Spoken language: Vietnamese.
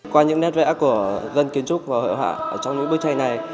qua những nét vẽ của dân kiến trúc và hội họa trong những bức tranh này